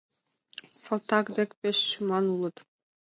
Салтак дек пеш шӱман улыт.